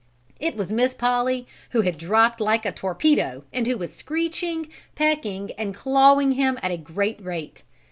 It was Miss Polly who had dropped like a torpedo and who was screeching, pecking and clawing him at a great rate.